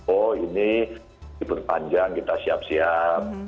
oh ini libur panjang kita siap siap